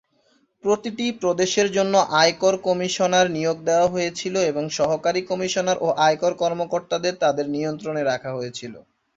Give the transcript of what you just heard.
প্রতিটি প্রদেশের জন্য আয়কর কমিশনার নিয়োগ দেওয়া হয়েছিল এবং সহকারী কমিশনার ও আয়কর কর্মকর্তাদের তাদের নিয়ন্ত্রণে রাখা হয়েছিল।